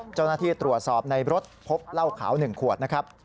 เจ้าหน้าที่ตรวจสอบในรถพบเหล้าขาว๑ขวดนะครับ